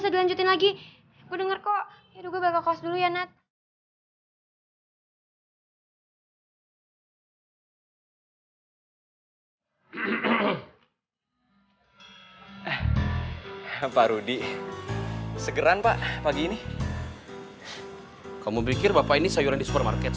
sampai bokap nyokap lo nggak nerima gue jadi mantu